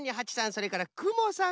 それからくもさんか。